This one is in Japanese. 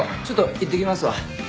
ちょっと行ってきますわ。